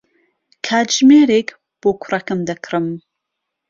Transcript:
کاتژمێرێک بۆ کوڕەکەم دەکڕم.